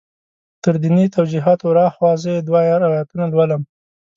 تر دیني توجیهاتو ور هاخوا زه یې دوه روایتونه لولم.